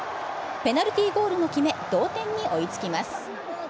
ペナルティーゴールも決め、同点に追いつきます。